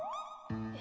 え？